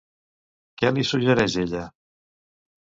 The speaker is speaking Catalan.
Què li suggereix ella?